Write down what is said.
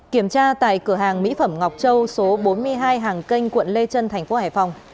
kiểm tra tại cửa hàng mỹ phẩm ngọc châu số bốn mươi hai hàng kênh quận lê trân thành phố hải phòng